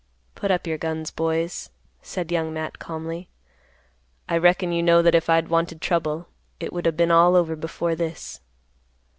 "Put up your guns, boys," said Young Matt calmly. "I reckon you know that if I'd wanted trouble, it would o' been all over before this."